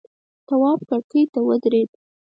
تواب کرکۍ ته ودرېد.